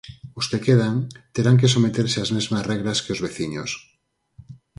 Os que quedan, terán que someterse ás mesmas regras que os veciños.